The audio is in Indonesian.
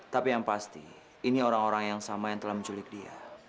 tapi yang pasti ini orang orang yang sama yang telah menculik dia